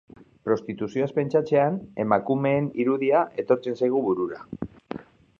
Prostituzioaz penstatzean, emakumeen irudia etortzen zaigu burura.